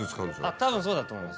たぶんそうだと思います。